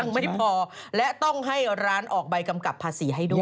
ไม่พอและต้องให้ร้านออกใบกำกับภาษีให้ด้วย